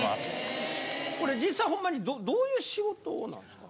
これ実際ほんまにどういう仕事なんですか？